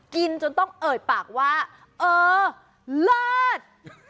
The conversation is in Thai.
จนต้องเอ่ยปากว่าเออเลิศ